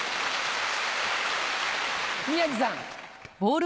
宮治さん。